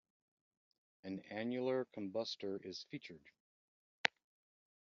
An annular combustor is featured.